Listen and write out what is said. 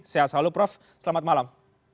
sehat selalu prof selamat malam